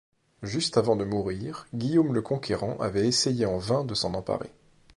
Juste avant de mourir, Guillaume le Conquérant avait essayé en vain de s'en emparer.